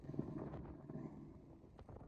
家纹是丸桔梗。